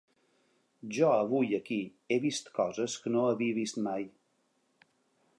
Jo avui aquí he vist coses que no havia vist mai.